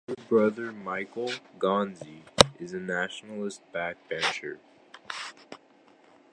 His younger brother, Michael Gonzi, is a Nationalist backbencher.